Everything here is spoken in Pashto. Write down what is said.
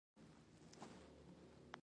شېخ متي بابا زیارت په کلات کښي دﺉ.